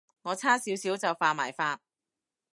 我差少少就犯埋法